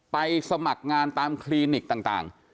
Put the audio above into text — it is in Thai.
สมัครงานตามคลินิกต่าง